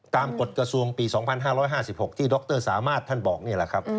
กฎกระทรวงปี๒๕๕๖ที่ดรสามารถท่านบอกนี่แหละครับ